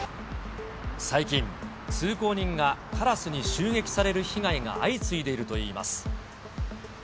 最近、通行人がカラスに襲撃される被害が相次いでいるといいます。